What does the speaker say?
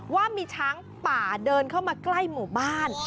ว่ามีช้างป่าเดินเข้ามาใกล้หมู่บ้าน